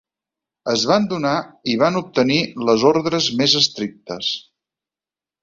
Es van donar i van obtenir les ordres més estrictes.